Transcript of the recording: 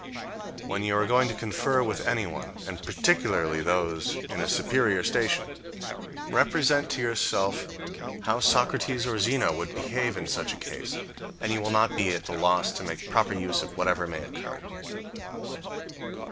When you are going to confer with anyone, and particularly of those in a superior station, represent to yourself how Socrates or Zeno would behave in such a case, and you will not be at a loss to make a proper use of whatever may occur.